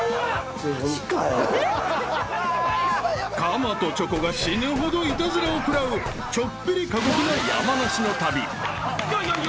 ［かまとチョコが死ぬほどイタズラを食らうちょっぴり過酷な山梨の旅］